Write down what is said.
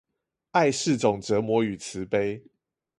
愛是種折磨與慈悲